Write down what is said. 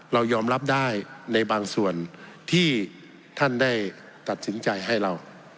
เรายอมรับได้ในบางส่วนที่ท่านได้ตัดสินใจให้เรา